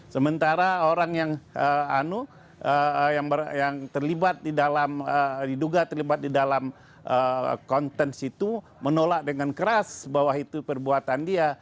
sementara orang yang terlibat di dalam diduga terlibat di dalam kontens itu menolak dengan keras bahwa itu perbuatan dia